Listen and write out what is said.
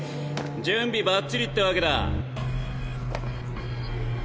準備ばっちりってわけだ。